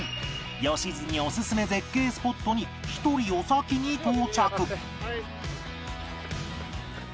良純オススメ絶景スポットに一人お先に到着